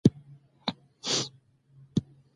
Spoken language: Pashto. د حميد بابا په لاندې مشهور شعر